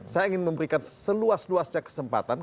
saya ingin memberikan seluas luasnya kesempatan